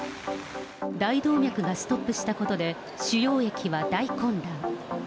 大動脈がストップしたことで主要駅は大混乱。